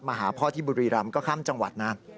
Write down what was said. มาหาพ่อที่บุรีรำก็ค่ำจังหวัดนั้น